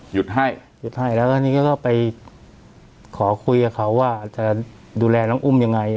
หยุดให้หยุดให้แล้วก็นี่เขาก็ไปขอคุยกับเขาว่าจะดูแลน้องอุ้มยังไง